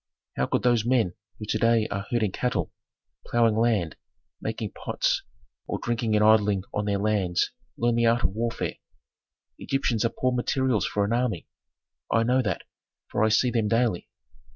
How could those men who to day are herding cattle, ploughing land, making pots, or drinking and idling on their lands, learn the art of warfare? Egyptians are poor materials for an army. I know that, for I see them daily.